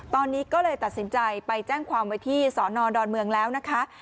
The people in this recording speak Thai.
ตอนนี้ก็เลยตัดสินใจไปแจ้งความไว้ที่สอนอดอนเมืองแล้วนะคะ